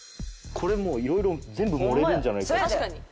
これもう色々全部盛れるんじゃないかと。